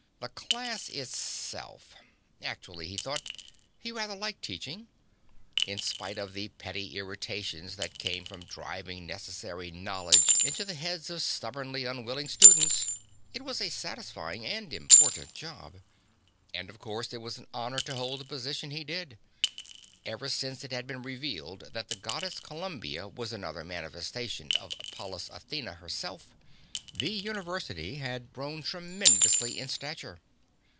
The class itself ... actually, he thought, he rather liked teaching. In spite of the petty irritations that came from driving necessary knowledge into the heads of stubbornly unwilling students, it was a satisfying and important job. And, of course, it was an honor to hold the position he did. Ever since it had been revealed that the goddess Columbia was another manifestation of Pallas Athena herself, the University had grown tremendously in stature.